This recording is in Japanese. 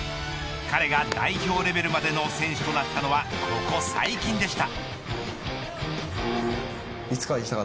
彼が代表レベルまでの選手となったのはここ最近でした。